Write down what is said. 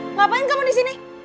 ngapain kamu disini